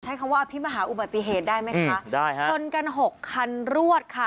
คำว่าอภิมหาอุบัติเหตุได้ไหมคะได้ฮะชนกันหกคันรวดค่ะ